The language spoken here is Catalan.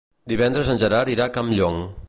Divendres en Gerard irà a Campllong.